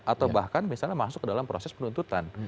atau bahkan misalnya masuk ke dalam proses penuntutan